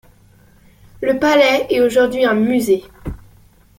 Le palais est aujourd'hui un musée.